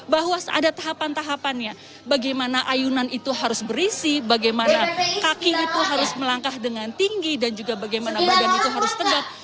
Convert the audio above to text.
bahwa ada tahapan tahapannya bagaimana ayunan itu harus berisi bagaimana kaki itu harus melangkah dengan tinggi dan juga bagaimana badan itu harus tegak